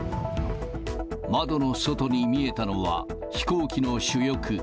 窓の外に見えたのは、飛行機の主翼。